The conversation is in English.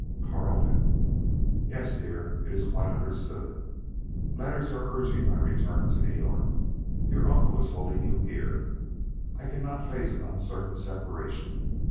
"Carleton!" "Yes, dear, it is quite understood. Letters are urging my return to New York. Your uncle is holding you here. I cannot face an uncertain separation.